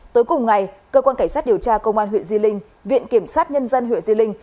tối cùng ngày cơ quan cảnh sát điều tra công an huyện di linh viện kiểm sát nhân dân huyện di linh